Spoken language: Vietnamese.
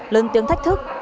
lớn tiếng thách thức